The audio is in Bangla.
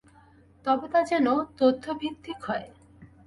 তবে তা যেন তথ্যভিত্তিক হয়।